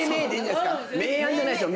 明暗じゃないですよ